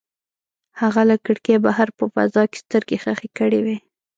هغه له کړکۍ بهر په فضا کې سترګې ښخې کړې وې.